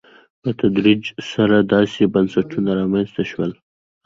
په تدریج سره داسې بنسټونه رامنځته شول.